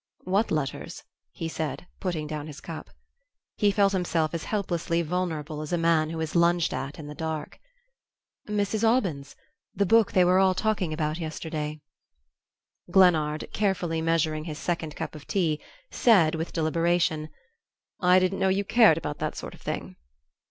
"What letters?" he said, putting down his cup. He felt himself as helplessly vulnerable as a man who is lunged at in the dark. "Mrs. Aubyn's. The book they were all talking about yesterday." Glennard, carefully measuring his second cup of tea, said, with deliberation, "I didn't know you cared about that sort of thing."